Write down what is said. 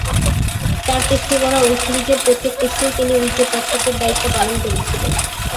চার টেস্টে গড়া ঐ সিরিজের প্রত্যেক টেস্টেই তিনি উইকেট-রক্ষকের দায়িত্ব পালন করেছিলেন।